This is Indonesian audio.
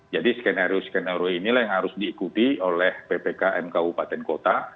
jadi skenario skenario inilah yang harus diikuti oleh ppkm kabupaten kota